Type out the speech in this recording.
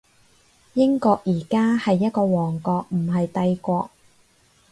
英國而家係一個王國，唔係帝國